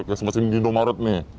kayak semasin di indomaret nih